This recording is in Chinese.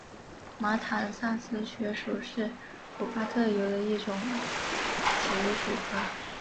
马坦萨斯穴鼠是古巴特有的一种棘鼠科。